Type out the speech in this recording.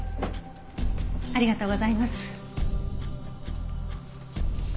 ありがとうございます。